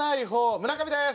村上です。